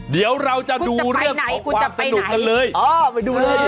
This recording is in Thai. เดี๋ยวเราจะดูเรื่องของความสนุกกันเลยคุณจะไปไหนคุณจะไปไหน